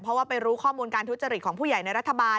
เพราะว่าไปรู้ข้อมูลการทุจริตของผู้ใหญ่ในรัฐบาล